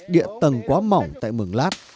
địa tầng quá mỏng tại mường lát